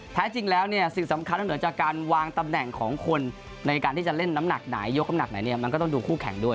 แท้จริงแล้วเนี่ยสิ่งสำคัญนอกเหนือจากการวางตำแหน่งของคนในการที่จะเล่นน้ำหนักไหนยกน้ำหนักไหนเนี่ยมันก็ต้องดูคู่แข่งด้วย